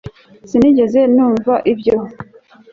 Sinigeze numva ibyo